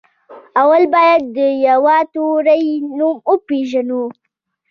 اول بايد د يوه توري نوم وپېژنو.